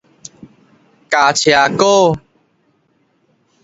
加車股